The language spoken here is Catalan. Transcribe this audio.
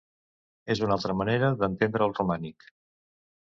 És una altra manera d’entendre el romànic.